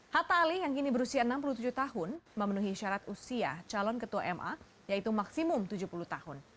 hatta ali yang kini berusia enam puluh tujuh tahun memenuhi syarat usia calon ketua ma yaitu maksimum tujuh puluh tahun